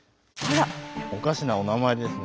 おかしなおなまえですね。